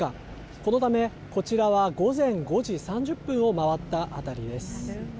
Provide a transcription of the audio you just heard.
このため、こちらは午前５時３０分を回ったあたりです。